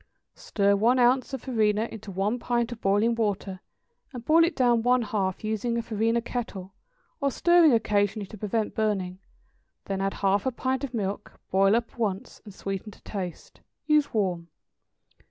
= Stir one ounce of farina into one pint of boiling water, and boil it down one half, using a farina kettle, or stirring occasionally to prevent burning, then add half a pint of milk, boil up once, and sweeten to taste. Use warm.